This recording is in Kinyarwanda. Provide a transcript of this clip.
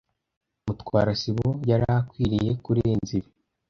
Mutwara sibo yari akwiriye kurenza ibi.